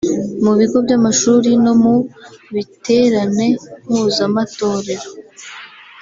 mu bigo by’amashuri no mu biterane mpuzamatorero